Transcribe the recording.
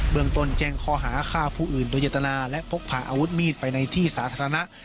เมืองตนแจ้งข้อหาฆ่าผู้อื่นโดยเจตนาและพกพาอาวุธมีดไปในที่สาธารณะ